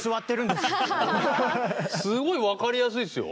すごい分かりやすいですよ。